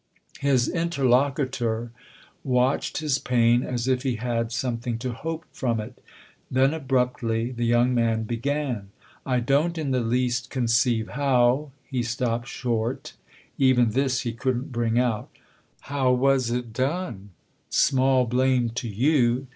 His interlocutor watched his pain as if he had something to hope 288 THE OTHER HOUSE from it ; then abruptly the young man began :" I don't in the least conceive how " He stopped short : even this he couldn't bring out. " How was it done ? Small blame to you